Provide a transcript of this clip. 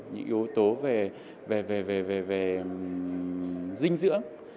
những yếu tố về dinh dưỡng